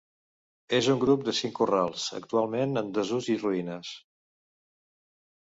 És un grup de cinc corrals, actualment en desús i ruïnes.